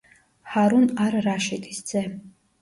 ჰარუნ არ-რაშიდის ძე.